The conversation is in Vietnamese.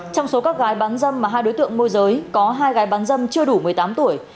trong số các gái bán dâm mà hai đối tượng môi giới có hai gái bán dâm chưa đủ một mươi tám tuổi